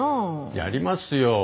やりますよ！